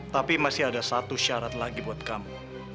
tapi masih ada satu syarat lagi buat kamu